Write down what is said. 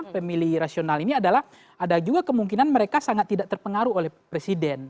pemilih rasional ini adalah ada juga kemungkinan mereka sangat tidak terpengaruh oleh presiden